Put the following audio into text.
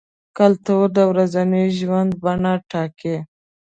کلتور د ورځني ژوند بڼه ټاکي.